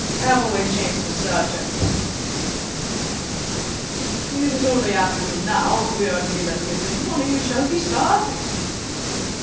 Abbleway changed the subject. "It is only afternoon now; if we are to be left here till morning we shall be starving."